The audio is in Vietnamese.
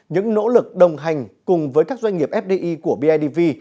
những nỗ lực đồng hành cùng với các doanh nghiệp fdi của bidv